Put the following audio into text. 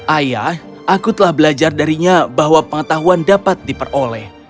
ayah aku telah belajar darinya bahwa pengetahuan dapat diperoleh